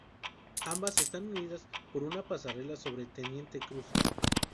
Ambas están unidas por una pasarela sobre Teniente Cruz.